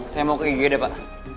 saya mau ke ig deh pak